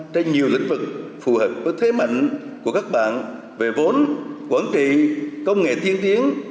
trên nhiều lĩnh vực phù hợp với thế mạnh của các bạn về vốn quản trị công nghệ tiên tiến